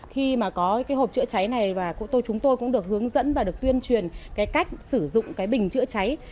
khi mà có cái hộp chữa cháy này và chúng tôi cũng được hướng dẫn và được tuyên truyền cái cách sử dụng cái bình chữa cháy